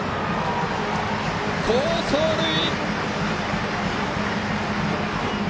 好走塁！